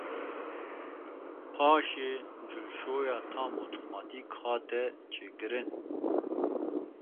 Paşê cilşoya tam otomatik hate çêkirin.